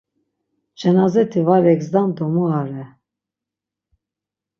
Cenazeti var egzdan do mu are.